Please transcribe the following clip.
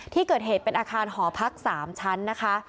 ที่เกิดเหตุเป็นอาคารหอพัก๓ชั้นนะคะ